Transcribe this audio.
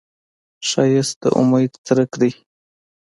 ښایست د امید څرک دی